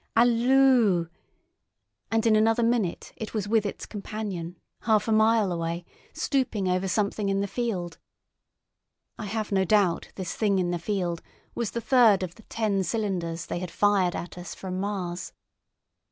Aloo!"—and in another minute it was with its companion, half a mile away, stooping over something in the field. I have no doubt this Thing in the field was the third of the ten cylinders they had fired at us from Mars.